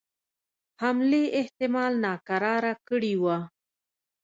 حملې احتمال ناکراره کړي وه.